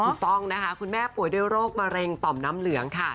ถูกต้องนะคะคุณแม่ป่วยด้วยโรคมะเร็งต่อมน้ำเหลืองค่ะ